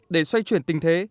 để xoay chuyển tình thế